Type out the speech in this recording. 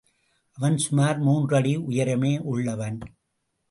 அவன் சுமார் மூன்று அடி உயரமே உள்ளவன்.